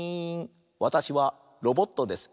わたしはロボットです。